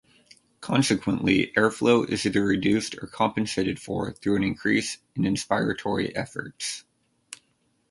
Consequently, airflow is either reduced or compensated for through an increase in inspiratory efforts.